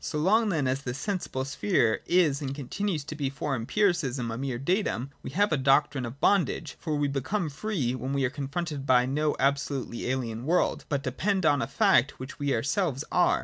So long then as this sensible sphere is and continues to be for Empiricism a mere datum, we have a doctrine of bondage : for we become free, when we are confronted by no absolutely alien world, but depend upon a fact which we ourselves are.